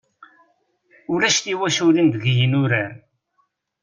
Ulac tiwaculin deg yinurar.